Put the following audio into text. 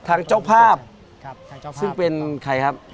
ทางเจ้าภาพซึ่งเป็นใครครับ